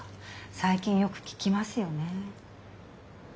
最近よく聞きますよね。